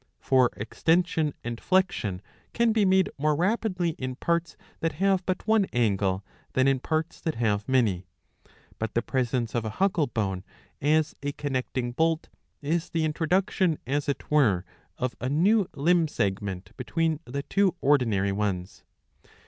For ex; tension and flexion can be made more rapidly in parts that have but one angle than in parts that have many. But the presence of a huckle bone, as a connecting bolt, is the introduction as it were of a new limb segment between the two ordinary ones.